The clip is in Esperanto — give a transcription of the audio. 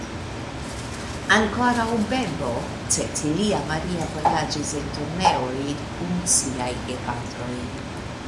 Ankoraŭ bebo Cecilia Maria vojaĝis en turneoj kun siaj gepatroj.